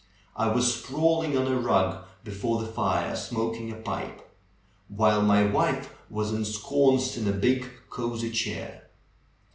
I was sprawling on a rug before the fire smoking a pipe, while my wife was ensconced in a big, cosey chair.